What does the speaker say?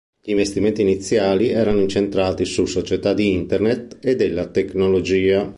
Gli investimenti iniziali erano incentrati su società di internet e della tecnologia.